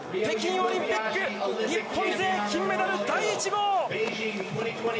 北京オリンピック日本勢、金メダル第１号！